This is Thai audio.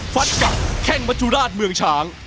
ฟัดกับแข้งมัจจุราชเมืองช้าง